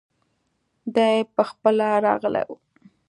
دی پخپله راغلی وو.